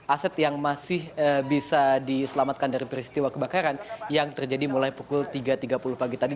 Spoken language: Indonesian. aset yang masih bisa diselamatkan dari peristiwa kebakaran yang terjadi mulai pukul tiga tiga puluh pagi tadi